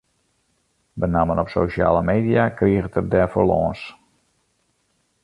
Benammen op sosjale media kriget er der fan lâns.